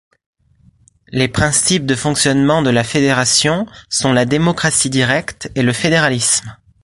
Les principes de fonctionnement de la Fédération sont la démocratie directe et le fédéralisme.